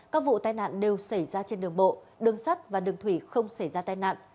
các vụ tai nạn đều xảy ra trên đường bộ đường sắt và đường thủy không xảy ra tai nạn